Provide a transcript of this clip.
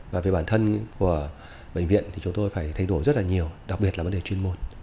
và về bản thân của bệnh viện thì chúng tôi phải thay đổi rất là nhiều đặc biệt là vấn đề chuyên môn